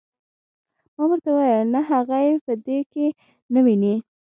ما ورته وویل نه هغه یې په دې کې نه ویني.